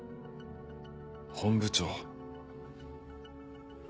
本部長。